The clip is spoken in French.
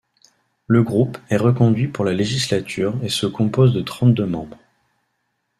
Le groupe est reconduit pour la législature et se compose de trente-deux membres.